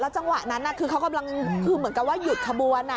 จังหวะนั้นคือเขากำลังคือเหมือนกับว่าหยุดขบวน